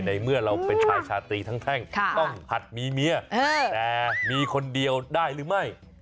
ในเมื่อเราเป็นชายชาตรีแท่งต้องหัดมีเมียแต่มีคนเดียวได้หรือไม่